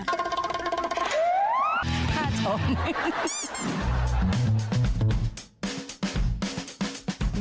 ข้าชม